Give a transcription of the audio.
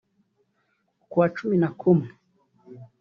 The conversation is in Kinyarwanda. ukwa cumi na kumwe